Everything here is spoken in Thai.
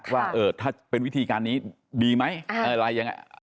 ว่าถ้าเป็นวิธีการนี้ดีไหมอะไรยังไง